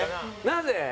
なぜ？